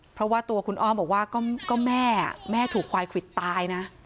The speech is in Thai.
เพราะว่าตัวคุณอ้อมบอกว่าก็แม่แม่ถูกควายควิดตายนะ